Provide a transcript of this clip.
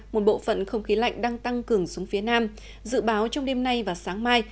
một bộ phận không khí lạnh đang tăng cường xuống phía nam dự báo trong đêm nay và sáng mai